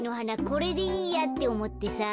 これでいいやっておもってさ。